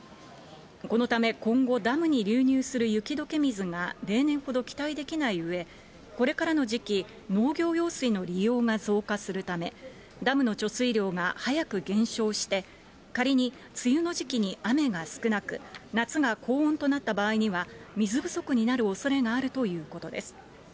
このため、今後、ダムに流入する雪どけ水が例年ほど期待できないうえ、これからの時期、農業用水の利用が増加するため、ダムの貯水量が早く減少して、仮に梅雨の時期に雨が少なく、夏が高温となった場合には、水不足になるおそれがあるということです。